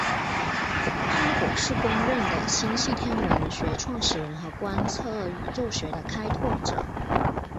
哈勃是公认的星系天文学创始人和观测宇宙学的开拓者。